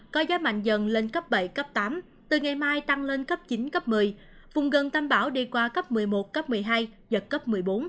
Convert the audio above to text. có gió mạnh dần lên cấp bảy cấp tám từ ngày mai tăng lên cấp chín cấp một mươi vùng gần tâm bão đi qua cấp một mươi một cấp một mươi hai giật cấp một mươi bốn